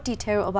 của đài loan